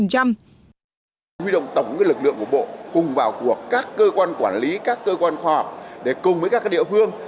huy động tổng lực lượng của bộ cùng vào cuộc các cơ quan quản lý các cơ quan khoa học để cùng với các địa phương